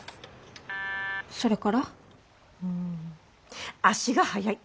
それから？ん足が速い！